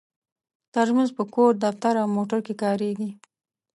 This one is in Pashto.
ترموز په کور، دفتر او موټر کې کارېږي.